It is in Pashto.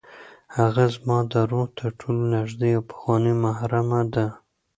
هغه زما د روح تر ټولو نږدې او پخوانۍ محرمه ده.